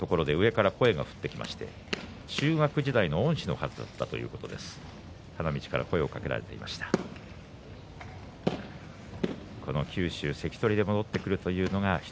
昨日、花道のところで上から声が降ってきまして中学時代の恩師だったということです。